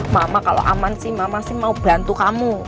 mama kalau aman sih mama sih mau bantu kamu